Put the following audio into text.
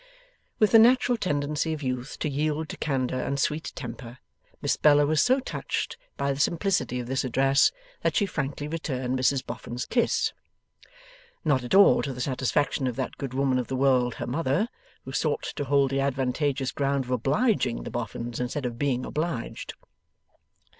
With the natural tendency of youth to yield to candour and sweet temper, Miss Bella was so touched by the simplicity of this address that she frankly returned Mrs Boffin's kiss. Not at all to the satisfaction of that good woman of the world, her mother, who sought to hold the advantageous ground of obliging the Boffins instead of being obliged.